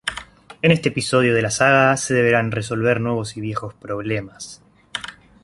En este episodio de la saga, se deberán resolver nuevos y viejos problemas.